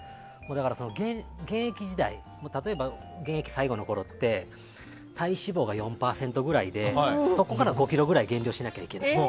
現役時代、例えば現役最後のころって体脂肪が４％ぐらいでそこから５ｋｇぐらい減量しなきゃいけない。